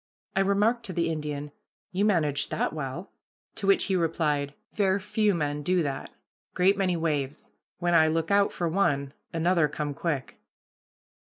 I remarked to the Indian, "You managed that well," to which he replied: "Ver' few men do that. Great many waves; when I look out for one, another come quick."